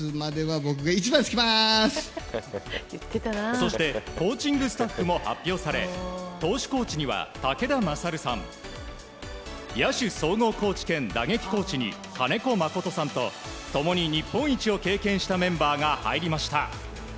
そしてコーチングスタッフも発表され投手コーチには武田勝さん野手総合コーチ兼打撃コーチに金子誠さんと共に日本一を経験したメンバーが入りました。